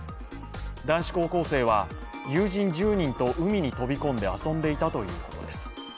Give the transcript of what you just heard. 男子高校生は友人１０人と海に飛び込んで遊んでいたということです。